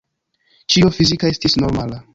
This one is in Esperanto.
Ĉio fizika estis normala.